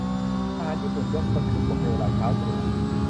ทหารญี่ปุ่นยกพลขึ้นบกในเวลาเช้าตรู่